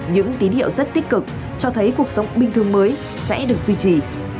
những tín hiệu rất tích cực cho thấy cuộc sống bình thường mới sẽ được duy trì